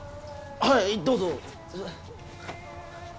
はいどうぞ。